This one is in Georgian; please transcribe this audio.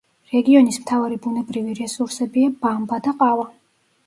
რეგიონის მთავარი ბუნებრივი რესურსებია: ბამბა და ყავა.